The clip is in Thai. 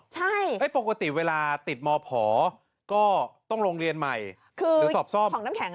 หรอปกติเวลาติดมผก็ต้องโรงเรียนใหม่หรือสอบซ่อม